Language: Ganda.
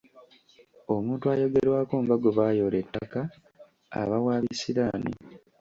Omuntu ayogerwako nga gwe baayoola ettaka aba wa bisiraani.